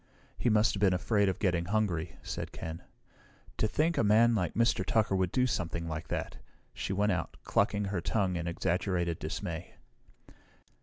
"He must have been afraid of getting hungry," said Ken. "To think a man like Mr. Tucker would do something like that!" She went out, clucking her tongue in exaggerated dismay.